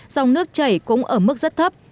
dòng nước chảy cũng ở mức rất thấp